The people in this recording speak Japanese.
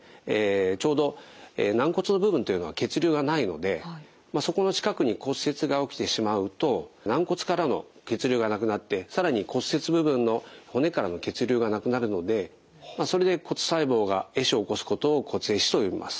ちょうど軟骨の部分というのは血流がないのでそこの近くに骨折が起きてしまうと軟骨からの血流がなくなって更に骨折部分の骨からの血流がなくなるのでそれで骨細胞が壊死を起こすことを骨壊死と呼びます。